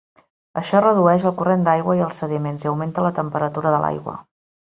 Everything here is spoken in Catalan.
Això redueix el corrent d'aigua i els sediments i augmenta la temperatura de l'aigua.